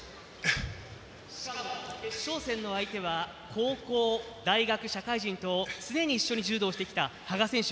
しかも、決勝戦の相手は高校、大学、社会人と常に一緒に柔道をしてきた羽賀選手。